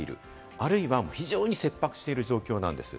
あるいは非常に切迫している状況なんです。